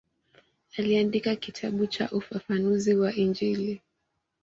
Aliandika kitabu cha ufafanuzi wa Injili.